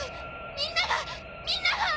みんながみんなが！